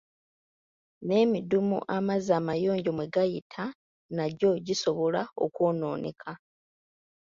N'emidumu amazzi amayonjo mwe gayita nagyo gisobola okwonooneka.